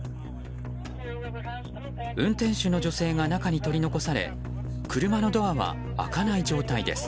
運転手の女性が中に取り残され車のドアは開かない状態です。